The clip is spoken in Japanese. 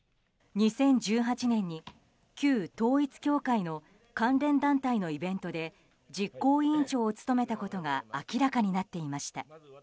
２０１８年に旧統一教会の関連団体のイベントで実行委員長を務めたことが明らかになっていました。